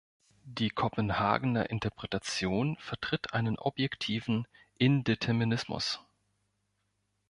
Die Kopenhagener Interpretation vertritt einen objektiven Indeterminismus.